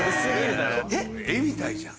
絵みたいじゃん。